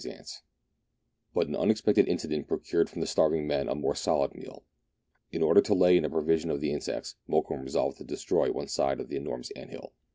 198 MERIDIANA; THE ADVENTURES OF But an unexpected incident procured for the starving men a more solid meal. In order to lay in a provision of the insects, Mokoum resolved to destroy one side of the enormous ant hill.